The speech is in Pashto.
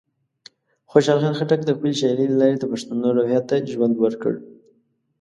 خوشحال خان خټک د خپلې شاعرۍ له لارې د پښتنو روحیه ته ژوند ورکړ.